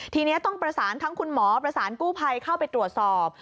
ทีนี้ต้องประสานทั้งคุณหมอประสานกู้ภัยเข้าไปตรวจสอบ